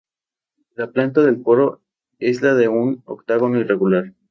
La planta del Foro es la de un octágono irregular.